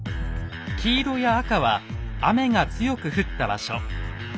黄色や赤は雨が強く降った場所。